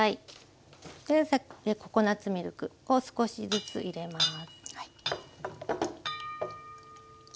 ココナツミルクを少しずつ入れます。